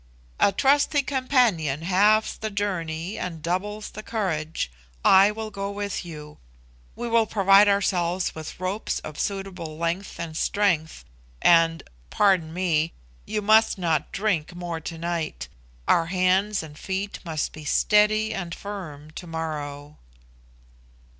"A trusty companion halves the journey and doubles the courage. I will go with you. We will provide ourselves with ropes of suitable length and strength and pardon me you must not drink more to night, our hands and feet must be steady and firm tomorrow."